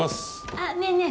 あっねえね